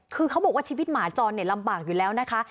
คือเขาบอกว่าชีวิตหมาจรลำบากอยู่แล้วนะคะ